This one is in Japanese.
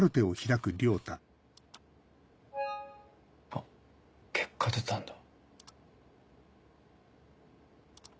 あっ結果出たんだ。